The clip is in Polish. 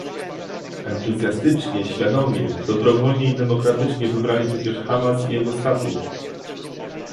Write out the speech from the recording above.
Entuzjastycznie, świadomie, dobrowolnie i demokratycznie wybrali przecież Hamas i jego statut